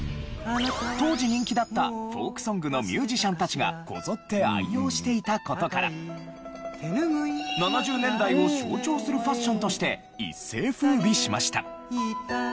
当時人気だったフォークソングのミュージシャンたちがこぞって愛用していた事から７０年代を象徴するファッションとして一世風靡しました。